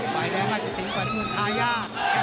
ไปแล้วน่าจะถึงกว่าที่เมืองไทย่่า